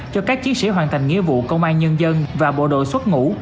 cho các chiến sĩ hoàn thành nghĩa vụ công an nhân dân và bộ đội xuất ngũ